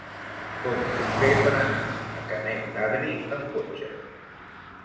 Com ho puc fer per anar a Canet d'Adri amb cotxe?